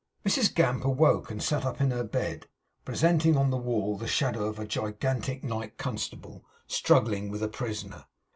Mrs Gamp awoke, and sat up in her bed; presenting on the wall the shadow of a gigantic night constable, struggling with a prisoner.